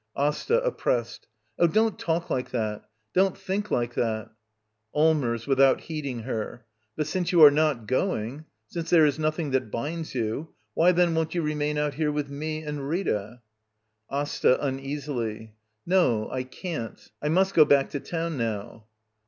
Asta. [Oppressed.] Oh, don't talk like that! Don't think like that! Allmers. [Without heeding her.] But since you are not going —? Since there is nothing that binds you —? Why, then, won't you remain out here with me — and Rita? ^^Asta. [Uneasily.] No; I can't. I must go back to town now.